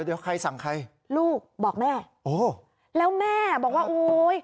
เดี๋ยวใครสั่งใครลูกบอกแม่โอ้แล้วแม่บอกว่าโอ้ย